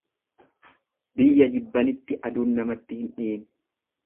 Biyya jibbanitti aduun namatti hin dhiyiin.